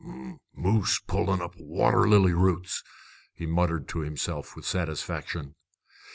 "Moose pullin' up water lily roots!" he muttered to himself with satisfaction.